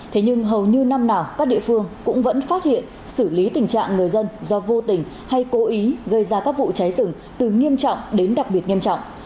thế nhưng hầu như năm nào các địa phương cũng vẫn phát hiện xử lý tình trạng người dân do vô tình hay cố ý gây ra các vụ cháy rừng từ nghiêm trọng đến đặc biệt nghiêm trọng